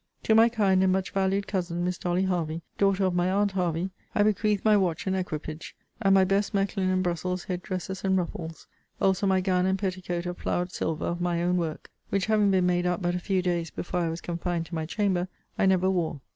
To my kind and much valued cousin, Miss Dolly Hervey, daughter of my aunt Hervey, I bequeath my watch and equipage, and my best Mechlin and Brussels head dresses and ruffles; also my gown and petticoat of flowered silver of my own work; which having been made up but a few days before I was confined to my chamber, I never wore.